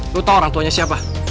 lo tau orangtuanya siapa